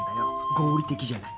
合理的じゃない。